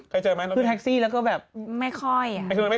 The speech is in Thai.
ขึ้นแท็กซี่แล้วก็แบบไม่ค่อยอ่ะ